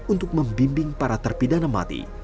untuk membimbing para terpidana mati